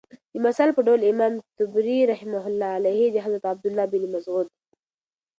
دمثال په ډول امام طبري رحمة الله عليه دحضرت عبدالله بن مسعود